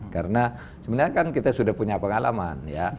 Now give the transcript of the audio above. karena sebenarnya kan kita sudah punya pengalaman